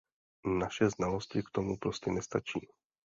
Naše znalosti k tomu prostě nestačí.